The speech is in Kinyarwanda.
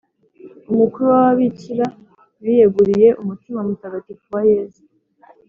umukuru w’ababikira biyeguriye umutima mutagatifu wa yezu